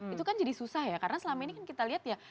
itu kan jadi susah ya karena selama ini kan kita lihat ya